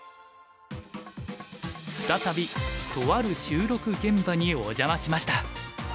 再びとある収録現場にお邪魔しました。